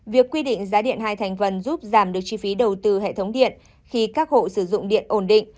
việc quy định giá điện hai thành phần